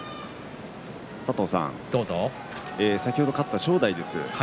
先ほど勝った正代です。